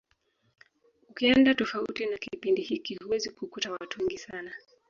Ukienda tofauti na kipindi hiki huwezi kukuta watu wengi sana